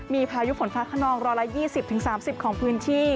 มีพายุฝนฟ้าขนอง๑๒๐๓๐ของพื้นที่